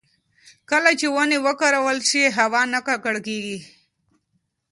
کله چې ونې وکرل شي، هوا نه ککړېږي.